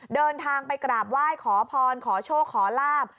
เดินทางไปกราบไหว้ขอพรขอโชคขอลาบ